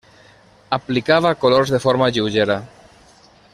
Aplicava colors de forma lleugera.